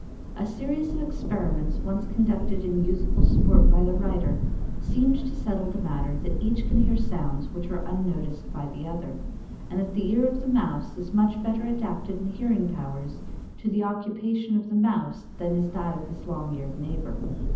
A series of experiments once conducted in youthful sport by the writer, seemed to settle the matter that each can hear sounds which are unnoticed by the other, and that the ear of the Mouse is much better adapted in hearing powers to the occupation of the Mouse than is that of his long eared neighbor.